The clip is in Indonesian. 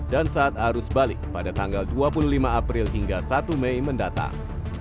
dan saat arus balik pada tanggal dua puluh lima april hingga satu mei mendatang